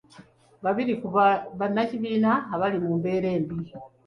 Babiri ku bannakibiina abali mu mbeera embi.